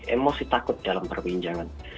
emosi takut dalam perwinjangan